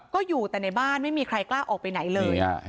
ก็อยู่แต่ในบ้านไม่มีใครกล้าออกไปไหนเลย